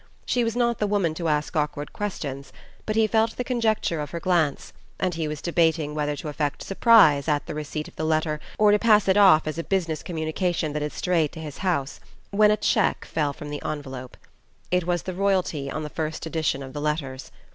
She was not the woman to ask awkward questions, but he felt the conjecture of her glance, and he was debating whether to affect surprise at the receipt of the letter, or to pass it off as a business communication that had strayed to his house, when a check fell from the envelope. It was the royalty on the first edition of the letters.